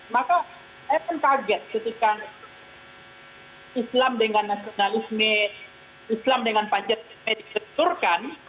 maka saya pun kaget ketika islam dengan pancasila diseturkan